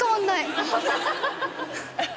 アハハハ。